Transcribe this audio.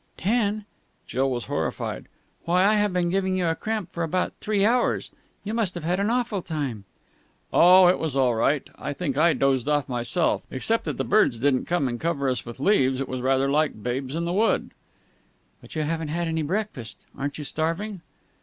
"Ten!" Jill was horrified. "Why, I have been giving you cramp for about three hours! You must have had an awful time!" "Oh, it was all right. I think I dozed off myself. Except that the birds didn't come and cover us with leaves; it was rather like the 'Babes in the Wood.'" "But you haven't had any breakfast! Aren't you starving?"